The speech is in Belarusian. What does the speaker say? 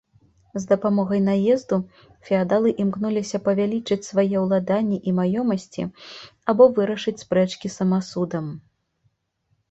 З дапамогай наезду феадалы імкнуліся павялічыць свае ўладанні і маёмасці або вырашыць спрэчкі самасудам.